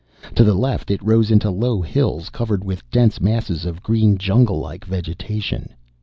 To the left it rose into low hills covered with dense masses of green junglelike vegetation.